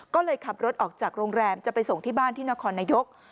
ก็เลยขับรถออกจากโรงแรมจะไปส่งที่บ้านที่นครนายก